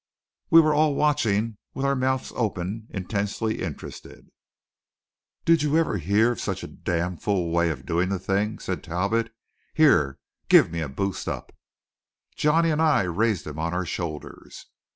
We were all watching with our mouths open intensely interested. "Did you ever hear of such a damfool way of doing the thing?" said Talbot. "Here, give me a boost up!" Johnny and I raised him on our shoulders.